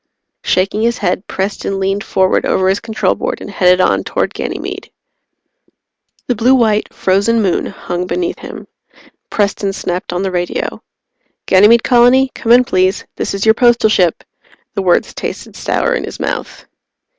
Shaking his head, Preston leaned forward over his control board and headed on toward Ganymede. The blue white, frozen moon hung beneath him. Preston snapped on the radio. "Ganymede Colony? Come in, please. This is your Postal Ship." The words tasted sour in his mouth.